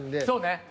そうね。